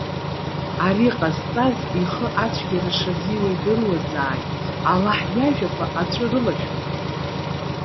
Ари ҟазҵаз ихы ацәгьара шазиуа идыруазааит. Аллаҳ иажәақәа аҵәы рылшәымхын.